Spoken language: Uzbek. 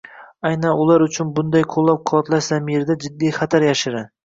Aynan ular uchun bunday qo‘llab-quvvatlash zamirida jiddiy xatar yashirin.